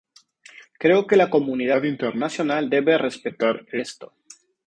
Creo que la comunidad internacional debe respetar esto.